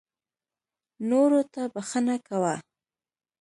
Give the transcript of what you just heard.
نورو ته بښنه کوه .